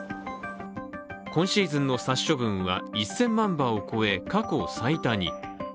今シーズンの殺処分は、１０００万羽を超え過去最多に。